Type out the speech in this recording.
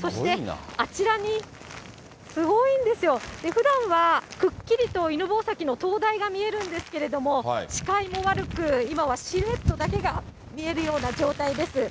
そしてあちらに、すごいんですよ、ふだんはくっきりと犬吠埼の灯台が見えるんですけれども、視界も悪く、今はシルエットだけが見えるような状態です。